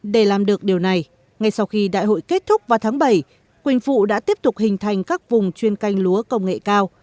để làm được điều này ngay sau khi đại hội kết thúc vào tháng bảy quỳnh phụ đã tiếp tục hình thành các vùng chuyên canh lúa công nghệ cao